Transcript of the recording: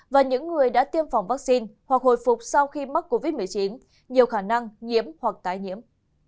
và những người đã tiêm phòng vaccine hoặc hồi phục sau khi mắc covid một mươi chín nhiều khả năng nhiễm hoặc tái nhiễm